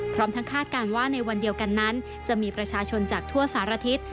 พร้อมทั้งคาดการณ์ว่าในวันเดียวกันนั้นจะมีประชาชนจากทั่วสารทิศ